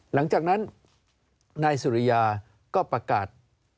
หลังจากนั้นนายสุริยาก็ประกาศ